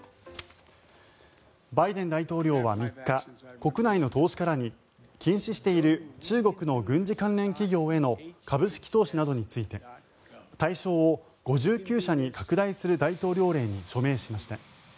バイデン大統領は３日国内の投資家らに禁止している中国の軍事関連企業への株式投資などについて対象を５９社に拡大する大統領令に署名しました。